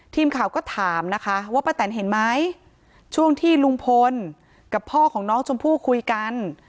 ทีมข่าวก็ถามนะคะว่าป้าแตนเห็นไหมช่วงที่ลุงพลกับพ่อของน้องชมพู่คุยกัน